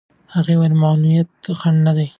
هغې وویل معلولیت خنډ نه دی.